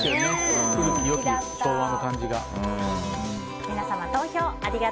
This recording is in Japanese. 古き良き昭和の感じが。